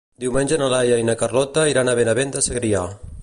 Diumenge na Laia i na Carlota iran a Benavent de Segrià.